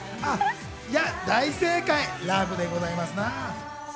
大正解、ラブでございます。